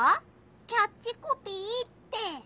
キャッチコピーって？